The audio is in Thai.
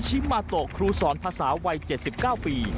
โยชิโนริชิมมาโตครูสอนภาษาวัย๗๙ปี